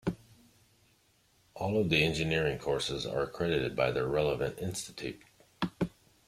All of the engineering courses are accredited by their relevant institute.